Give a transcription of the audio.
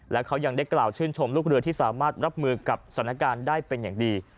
และเขายังได้กล่าวชื่นชมลูกเรือที่สามารถรับมือกับสถานการณ์ได้เป็นอย่างดี